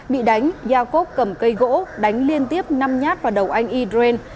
bị đánh iacob cầm cây gỗ đánh liên tiếp năm nhát vào đầu anh iacob